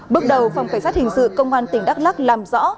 bước đầu phòng cảnh sát hình sự công an tỉnh đắk lắc làm rõ